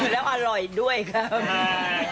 แล้วอร่อยด้วยครับ